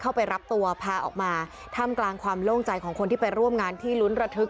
เข้าไปรับตัวพาออกมาท่ามกลางความโล่งใจของคนที่ไปร่วมงานที่ลุ้นระทึก